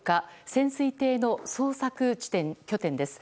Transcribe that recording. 潜水艇の捜索拠点です。